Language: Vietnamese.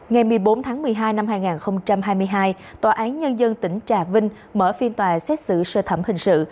ngày một mươi bốn tháng một mươi hai năm hai nghìn hai mươi hai tòa án nhân dân tỉnh trà vinh mở phiên tòa xét xử sơ thẩm hình sự